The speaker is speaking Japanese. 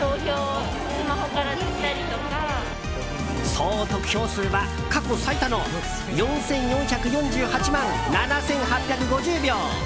総得票数は過去最多の４４４８万７８５０票。